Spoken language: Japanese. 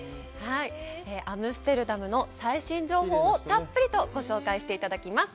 アムステルダムの最新情報をたっぷりとご紹介していただきます。